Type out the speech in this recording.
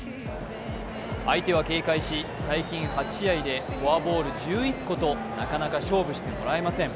相手は警戒し、最近８試合でフォアボール１１個となかなか勝負してもらえません。